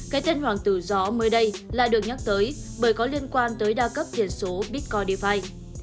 cái tên hoàng tử gió mới đây lại được nhắc tới bởi có liên quan tới đa cấp tiền số bitcoin d fi